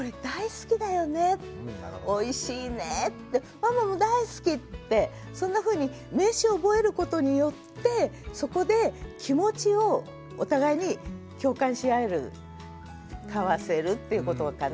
ト・マ・ト」ってやりがちなんだけどそんなふうに名詞を覚えることによってそこで気持ちをお互いに共感し合える交わせるっていうことかな。